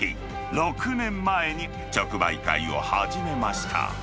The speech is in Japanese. ６年前に直売会を始めました。